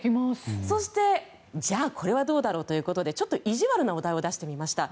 そして、じゃあこれはどうだろうということでちょっと意地悪なお題を出してみました。